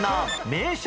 名所。